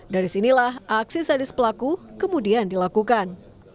dari sinilah aksi sadis pelaku kemudian dilakukan